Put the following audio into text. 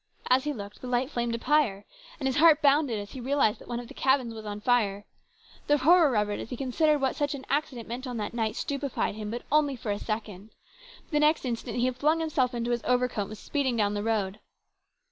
As he looked, the light flamed up higher, and his heart bounded as he realised that one of the cabins was on fire. The horror of it as he considered what such an accident meant on such a night stupefied him, but only for a second. The next instant he had flung himself into his overcoat, and was speeding down the road.